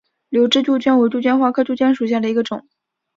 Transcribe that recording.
瘤枝杜鹃为杜鹃花科杜鹃属下的一个种。